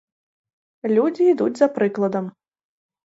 Людзі ідуць за прыкладам.